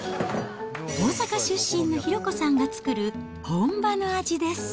大阪出身の寛子さんが作る、本場の味です。